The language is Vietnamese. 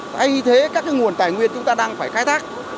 thay thế các nguồn tài nguyên chúng ta đang phải khai thác